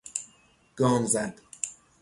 گام زد